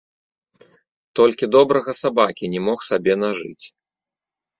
Толькі добрага сабакі не мог сабе нажыць.